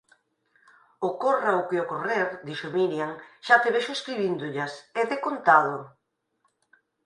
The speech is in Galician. Ocorra o que ocorrer −dixo Miriam−, xa te vexo escribíndollas, e decontado;